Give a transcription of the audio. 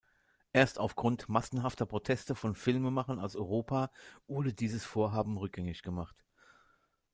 Erst aufgrund massenhafter Proteste von Filmemachern aus Europa wurde dieses Vorhaben rückgängig gemacht.